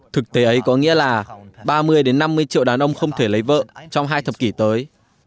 thực tế ấy có nghĩa là ba mươi năm mươi triệu đàn ông không thể lấy vợ trong hai thập kỷ tới